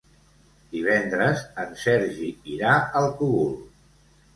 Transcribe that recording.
Divendres en Sergi irà al Cogul.